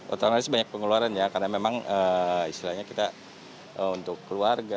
otomatis banyak pengeluaran ya karena memang istilahnya kita untuk keluarga